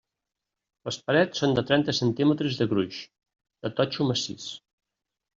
Les parets són de trenta centímetres de gruix, de totxo massís.